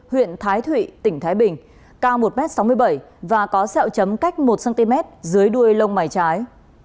huyện thái thụy tỉnh thái bình cao một m sáu mươi bảy và có sẹo chấm cách một cm dưới đuôi lông mày trái